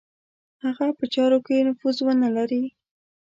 هغه په چارو کې نفوذ ونه لري.